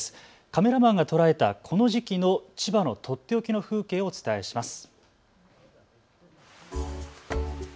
カメラマンが捉えたこの時期の千葉の取って置きの風景をお伝えします。